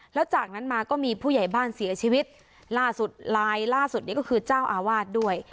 แล้วจากนั้นมาก็มีผู้ใหญ่บ้านเสียชีวิตล่าสุดลายล่าสุดนี้ก็คือเจ้าอาวาสด้วย